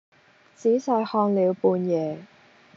仔細看了半夜，